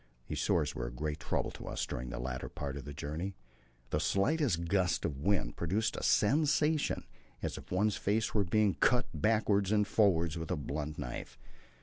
These sores were a great trouble to us during the latter part of the journey. The slightest gust of wind produced a sensation as if one's face were being cut backwards and forwards with a blunt knife.